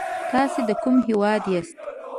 تاسې د کوم هيواد ياست؟